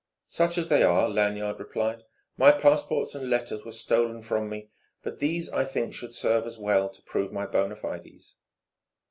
"Such as they are," Lanyard replied. "My passports and letters were stolen from me. But these, I think, should serve as well to prove my bona fides."